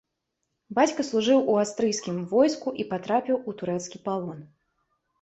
Бацька служыў у аўстрыйскім войску і патрапіў у турэцкі палон.